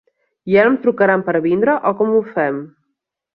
I ara em trucaran per vindre, o com ho fem?